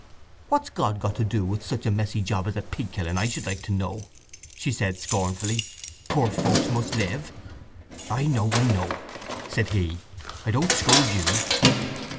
"What's God got to do with such a messy job as a pig killing, I should like to know!" she said scornfully. "Poor folks must live." "I know, I know," said he. "I don't scold you."